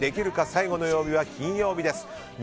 最後の曜日は金曜日です。